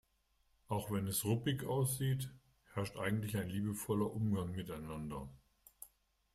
Auch wenn es ruppig aussieht, herrscht eigentlich ein liebevoller Umgang miteinander.